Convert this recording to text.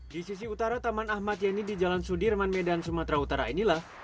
di sisi utara taman ahmad yani di jalan sudirman medan sumatera utara inilah